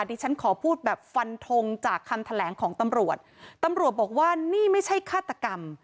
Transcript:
ดิฉันขอพูดแบบฟันทงจากคำแถลงของตำรวจตำรวจบอกว่านี่ไม่ใช่ฆาตกรรม